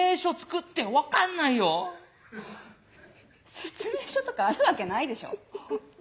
「説明書とかあるわけないでしょ？」。